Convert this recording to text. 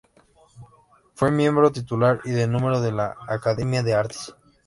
Fue miembro titular y de número de la Academia de Artes.